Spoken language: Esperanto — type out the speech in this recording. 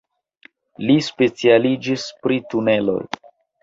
Li specialiĝis pri tuneloj.